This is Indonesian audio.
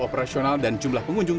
operasional dan jumlah pengunjung